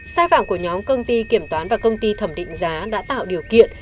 sai phạm của nhóm công ty kiểm toán và công ty thẩm định giá đã tạo điều kiện